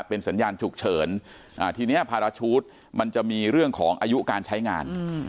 เป็นสัญญาณฉุกเฉินทีนี้พาราชูตมันจะมีเรื่องของอายุการใช้งาน